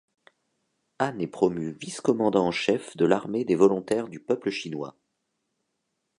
Han est promu vice-commandant-en-chef de l'armée des volontaires du peuple chinois.